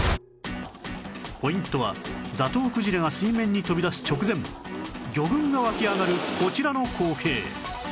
ポイントはザトウクジラが水面に飛び出す直前魚群が湧き上がるこちらの光景